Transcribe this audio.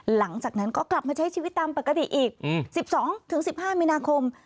หลังจากนั้นก็กลับมาใช้ชีวิตตามปกติอีก๑๒๑๕มีนาคม